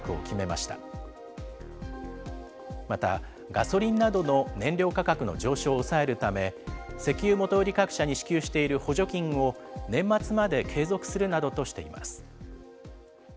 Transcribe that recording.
また、ガソリンなどの燃料価格の上昇を抑えるため、石油元売り各社に支給している補助金を、年末まで継続するなどとしています。